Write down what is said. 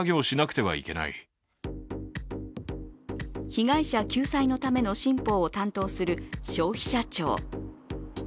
被害者救済のための新法を担当する、消費者庁。